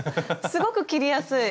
すごく切りやすい！